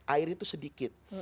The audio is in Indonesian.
air itu sedikit